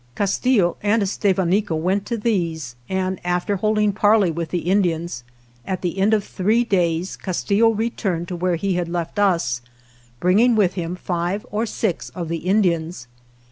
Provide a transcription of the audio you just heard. Castillo and Estevanico went to these and, after holding parley with the Indians, at the end of three days Castillo returned to where he had left us, bringing with him five or six of the In dians.